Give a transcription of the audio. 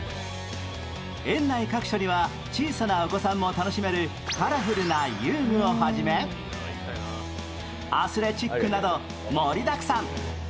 園内各所には小さなお子さんも楽しめる、カラフルな遊具をはじめ、アスレチックなど盛りだくさん。